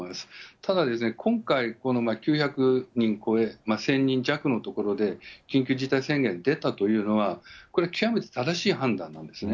ただ今回、この９００人超え、１０００人弱のところで緊急事態宣言出たというのは、これ、極めて正しい判断なんですね。